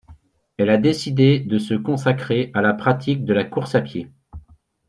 Elle a décidé de se consacrer à la pratique de la course à pied.